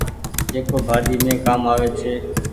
جيڪو ڀآڃي مين ڪآم آوي ڇي۔